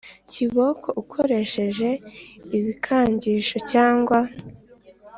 Kiboko ukoresheje ibikangisho cyangwa